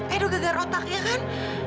edo gegar otaknya kan